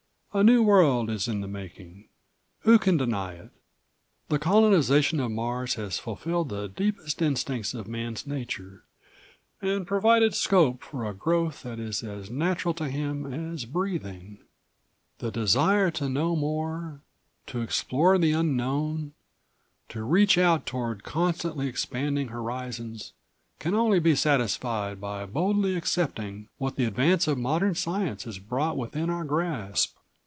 A new world is in the making. Who can deny it? The colonization of Mars has fulfilled the deepest instincts of Man's nature, and provided scope for a growth that is as natural to him as breathing. "The desire to know more, to explore the unknown, to reach out toward constantly expanding horizons can only be satisfied by boldly accepting what the advance of modern science has brought within our grasp.